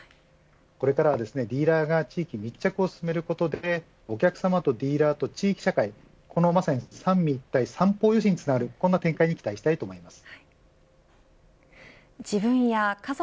これからはディーラーが地域に密着することでお客様とディーラーと地域社会この三身一体、三方輸出につながるこんな展開に期待したいと思います。